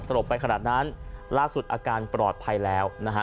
ลบไปขนาดนั้นล่าสุดอาการปลอดภัยแล้วนะฮะ